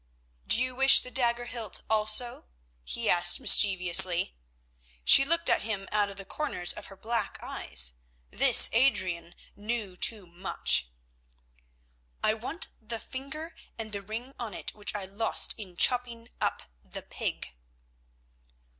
"Do you wish the dagger hilt also?" he asked mischievously. She looked at him out of the corners of her black eyes. This Adrian knew too much. "I want the finger and the ring on it which I lost in chopping up the pig."